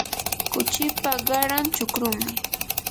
kuchipa qaran chukrumi.